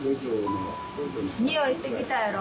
匂いしてきたやろ？